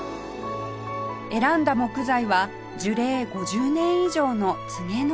選んだ木材は樹齢５０年以上の柘植の木